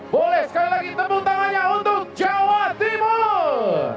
boleh sekali lagi tepuk tangannya untuk jawa timur